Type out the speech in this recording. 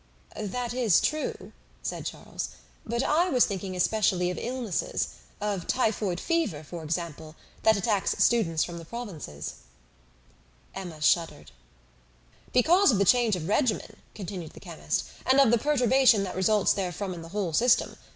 "That is true," said Charles; "but I was thinking especially of illnesses of typhoid fever, for example, that attacks students from the provinces." Emma shuddered. "Because of the change of regimen," continued the chemist, "and of the perturbation that results therefrom in the whole system.